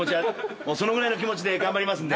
もうそのぐらいの気持ちで頑張りますんで。